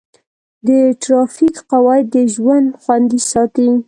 د ټرافیک قواعد د ژوند خوندي ساتي.